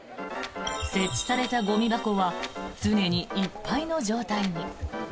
設置されたゴミ箱は常にいっぱいの状態に。